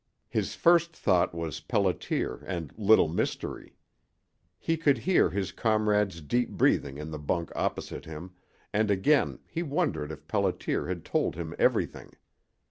His first thought was Pelliter and Little Mystery. He could hear his comrade's deep breathing in the bunk opposite him, and again he wondered if Pelliter had told him everything.